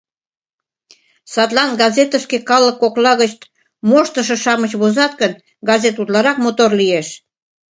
Садлан газетышке калык кокла гыч моштышо-шамыч возат гын, газет утларак мотор лиеш.